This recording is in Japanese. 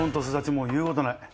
もう言うことない。